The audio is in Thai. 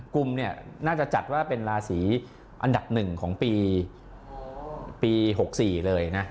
กลุ่มเนี่ยน่าจะจัดว่าเป็นราศีอันดับ๑ของปี๖๔เลยนะ